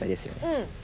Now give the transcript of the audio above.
うん。